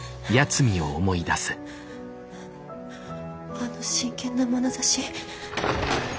あの真剣なまなざし。